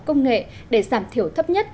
công nghệ để giảm thiểu thấp nhất